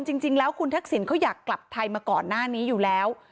จริงแล้วคุณทักษิณเขาอยากกลับไทยมาก่อนหน้านี้อยู่แล้ว